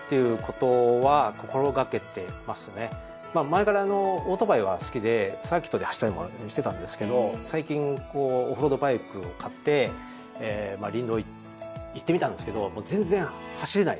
前からオートバイは好きでサーキットで走ったりもしてたんですけど最近オフロードバイクを買って林道行ってみたんですけどもう全然走れないんですよね。